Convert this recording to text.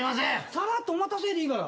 さらっと「お待たせ」でいいから。